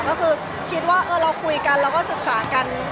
ก็คือคิดว่าเราคุยกันเราก็ศึกษากัน